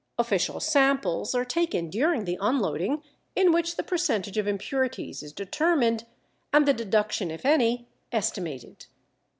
Official samples are taken during the unloading in which the percentage of impurities is determined, and the deduction, if any, estimated.